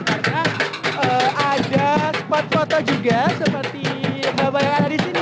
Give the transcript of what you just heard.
karena ada spot foto juga seperti banyak banyak di sini